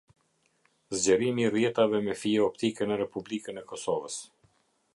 Zgjerimi i rrjetave me fije optike ne republiken e kosoves